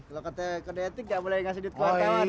kalau katanya kode etik nggak boleh ngasih duit ke wartawan